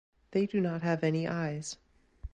They do not have any eyes.